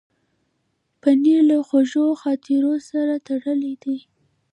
پنېر له خوږو خاطرونو سره تړلی دی.